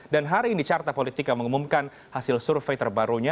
dan hari ini carta politika mengumumkan hasil survei terbarunya